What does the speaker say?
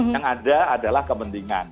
yang ada adalah kepentingan